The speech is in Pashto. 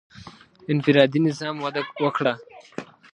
• انفرادي نظام وده وکړه.